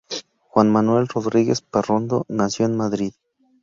Juan Manuel Rodríguez Parrondo nació en Madrid.